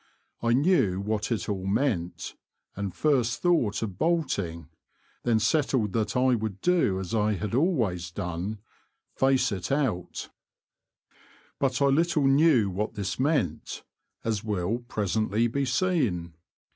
I knew what it all meant, and first thought of bolting, then settled that I would do as I had always done — face it out. The Confessions of a Poacher. 171 But I little knew what this meant, as will presently be seen.